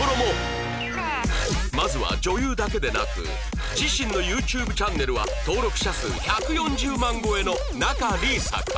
まずは女優だけでなく自身の ＹｏｕＴｕｂｅ チャンネルは登録者数１４０万超えの仲里依紗から